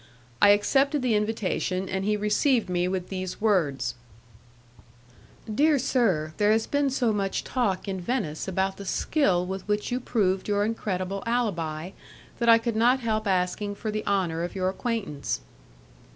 I accepted the invitation, and he received me with these words: "Dear sir, there has been so much talk in Venice about the skill with which you proved your incredible alibi, that I could not help asking for the honour of your acquaintance."